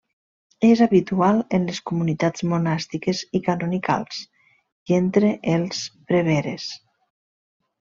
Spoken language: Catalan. És habitual en les comunitats monàstiques i canonicals, i entre els preveres.